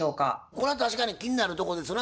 これは確かに気になるとこですな。